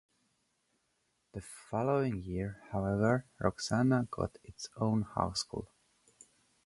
The following year, however, Roxana got its own high school.